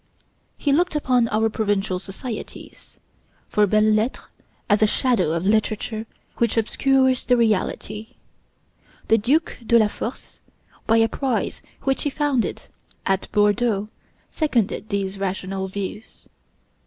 He looked upon our provincial societies for belles lettres as a shadow of literature which obscures the reality. The Duke de la Force, by a prize which he founded at Bordeaux, seconded these rational views.